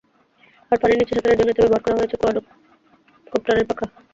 আর পানির নিচে সাঁতারের জন্য এতে ব্যবহার করা হয়েছে কোয়াডকপ্টারের পাখা।